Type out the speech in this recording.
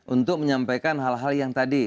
untuk menyampaikan hal hal yang tadi